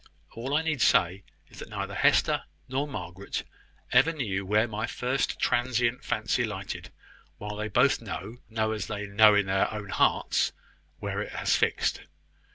All I need say is that neither Hester nor Margaret ever knew where my first transient fancy lighted, while they both know know as they know their own hearts where it has fixed.